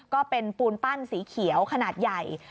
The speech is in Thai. ก็เป็นปูนปั้นสีเขียวขนาดใหญ่